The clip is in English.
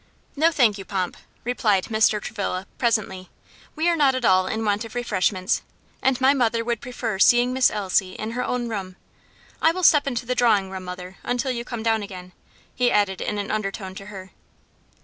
"No, thank you, Pomp," replied Mr. Travilla pleasantly, "we are not at all in want of refreshments, and my mother would prefer seeing Miss Elsie in her own room. I will step into the drawing room, mother, until you come down again," he added in an undertone to her.